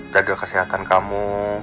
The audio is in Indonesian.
jaga kesehatan kamu